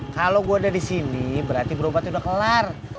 kalau gue udah di sini berarti berobatnya udah kelar